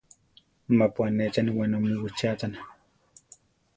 Mapu anéchani wenomí wichíachana.